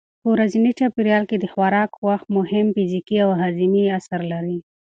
په ورځني چاپېریال کې د خوراک وخت مهم فزیکي او هاضمي اثر لري.